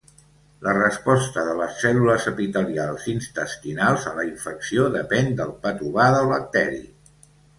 La resposta de les cèl·lules epitelials intestinals a la infecció depèn del patovar del bacteri.